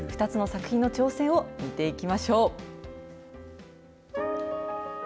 ２つの作品の挑戦を見ていきましょう。